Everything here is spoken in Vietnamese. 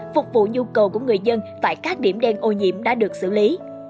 phục vụ nhu cầu của người dân tại các điểm đen ô nhiễm đã được xử lý